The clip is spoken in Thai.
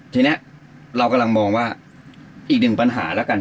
ทีนี้เรากำลังมองว่าอีกหนึ่งปัญหาแล้วกัน